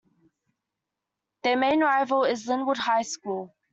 Their main rival is Lynwood High School.